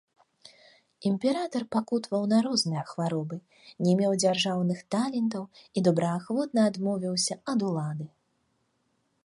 Імператар пакутаваў на розныя хваробы, не меў дзяржаўных талентаў і добраахвотна адмовіўся ад улады.